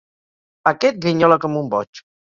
Aquest grinyola com un boig.